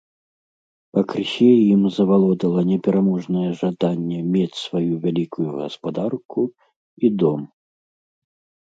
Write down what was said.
Пакрысе ім завалодвала непераможнае жаданне мець сваю вялікую гаспадарку і дом.